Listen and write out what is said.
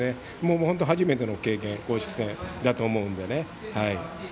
本当初めての公式戦だと思うのでね。